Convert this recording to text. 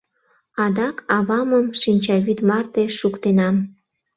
Адак авамым шинчавӱд марте шуктенам.